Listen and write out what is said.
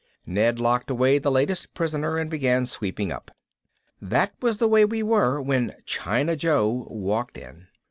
Ned locked away the latest prisoner and began sweeping up. That was the way we were when China Joe walked in.